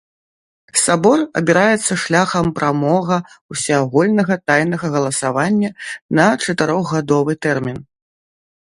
Сабор абіраецца шляхам прамога ўсеагульнага тайнага галасавання на чатырохгадовы тэрмін.